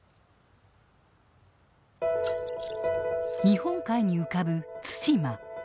日本海に浮かぶ対馬。